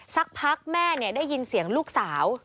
สักพักแม่ได้ยินเสียงลูกสาว